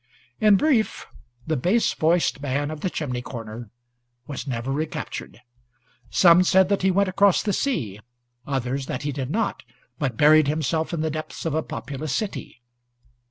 In brief, the bass voiced man of the chimney corner was never recaptured. Some said that he went across the sea, others that he did not, but buried himself in the depths of a populous city.